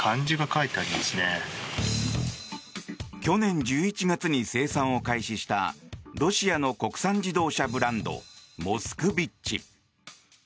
去年１１月に生産を開始したロシアの国産自動車ブランドモスクビッチ。